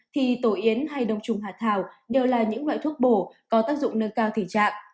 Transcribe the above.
thì tổ yến hay đông trùng hạ thảo đều là những loại thuốc bổ có tác dụng nâng cao thể trạng